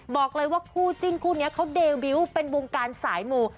บอกเลยว่าคู่จิ้นคู่นี้เขาเดบิวต์เป็นวงการสายมู